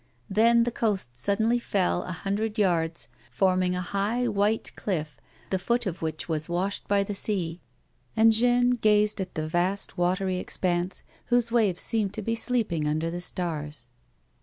Then the coast suddenly fell a hundred yards, forming a high, white cliff", the foot of which was washed by the sea; and Jeanne gazed at the vast, watery expanse whose waves seemed to be sleeping under the stars.